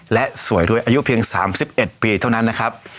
และสวยด้วยอายุเพียง๓๑ปีเท่านั้นนะครับ